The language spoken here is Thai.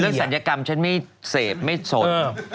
เรื่องศัลยกรรมฉันไม่เสพไม่สน